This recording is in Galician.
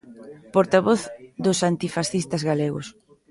Portavoz dos antifascistas galegos.